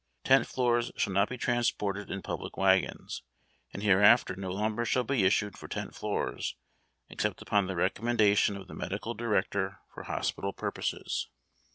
Tent floors shall not be transported in public wagons, and hereafter no lumber shall be issued for tent lioors except upon the recommendation of the medical director for hospital purposes."